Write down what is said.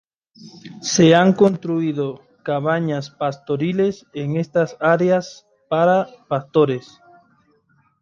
Se han construido cabañas pastoriles en estas áreas para pastores.